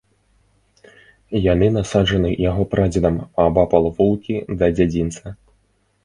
Яны насаджаны яго прадзедам паабапал вулкі да дзядзінца.